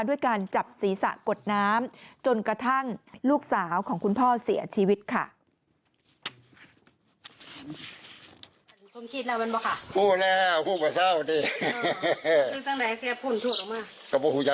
ด้วยการจับศีรษะกดน้ำจนกระทั่งลูกสาวของคุณพ่อเสียชีวิตค่ะ